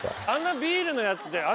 あんなビールのやつで。